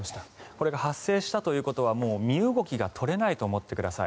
これが発生したということはもう身動きが取れなくなると思ってください。